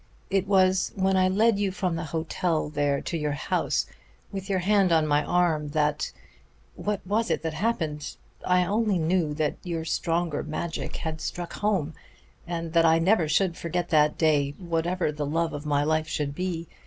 It was when I led you from the hotel there to your house, with your hand on my arm, that what was it that happened? I only knew that your stronger magic had struck home, and that I never should forget that day, whatever the love of my life should be.